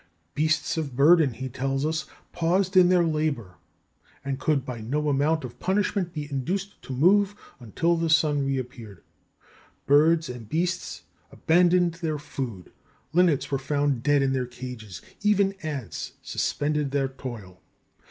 Beasts of burthen, he tells us, paused in their labour, and could by no amount of punishment be induced to move until the sun reappeared. Birds and beasts abandoned their food; linnets were found dead in their cages; even ants suspended their toil.